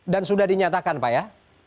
dan sudah dinyatakan pak ya